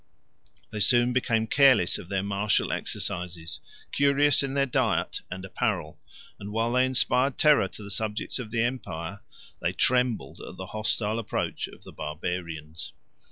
They soon became careless of their martial exercises, curious in their diet and apparel; and while they inspired terror to the subjects of the empire, they trembled at the hostile approach of the Barbarians.